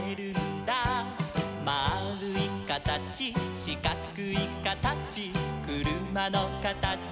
「まあるいかたちしかくいかたち」「くるまのかたち